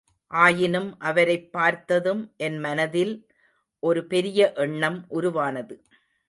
ஆயினும் அவரைப் பார்த்ததும் என்மனதில் ஒரு பெரிய எண்ணம் உருவானது.